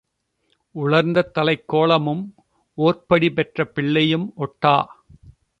உலர்ந்த தலைக் கோலமும் ஓர்ப்படி பெற்ற பிள்ளையும் ஒட்டா.